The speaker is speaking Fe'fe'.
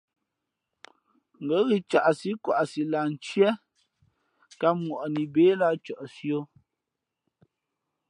Ngα̌ ghʉ̌ caꞌsí kwaʼsi lah ntié kǎm ŋwαꞌni bé lǎh cαꞌsi ō.